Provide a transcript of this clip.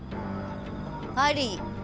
あり！